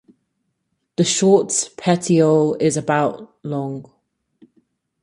The short petiole is about long.